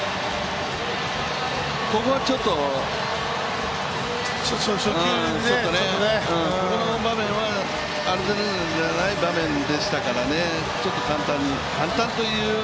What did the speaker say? ここはちょっとこの場面はアロザレーナじゃない場面でしたからちょっと簡単に。